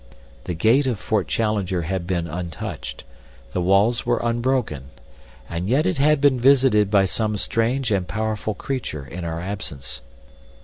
The gate of Fort Challenger had been untouched, the walls were unbroken, and yet it had been visited by some strange and powerful creature in our absence.